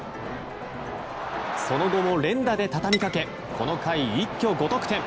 その後も連打で畳みかけこの回一挙５得点。